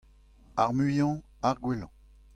Ar muiañ ar gwellañ.